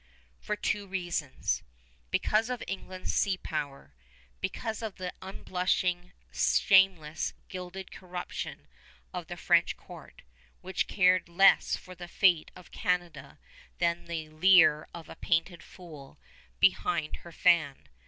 For two reasons: because of England's sea power; because of the unblushing, shameless, gilded corruption of the French court, which cared less for the fate of Canada than the leer of a painted fool behind her fan.